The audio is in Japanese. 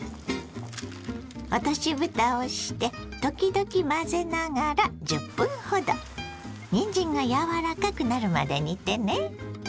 落としぶたをして時々混ぜながら１０分ほどにんじんが柔らかくなるまで煮てね。